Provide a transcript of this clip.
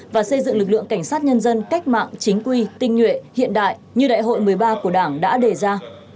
và xây dựng lực lượng cảnh sát nhân dân cách mạng chính quy tinh nhuệ hiện đại như đại hội một mươi ba của đảng đã đề ra